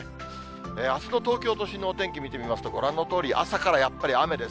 あすの東京都心のお天気見てみますと、ご覧のとおり、朝からやっぱり雨です。